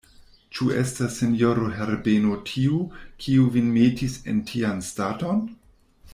Ĉu estas sinjoro Herbeno tiu, kiu vin metis en tian staton?